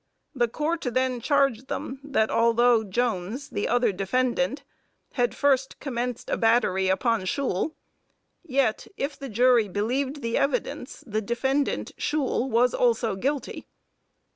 The Court then charged them that although Jones, (the other defendant,) had first commenced a battery upon Shule, yet, if the jury believed the evidence, the defendant, Shule, was also guilty.